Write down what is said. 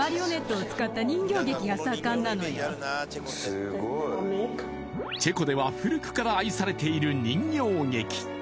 すごいチェコでは古くから愛されている人形劇